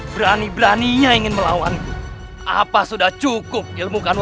baiklah kalau itu keinginanmu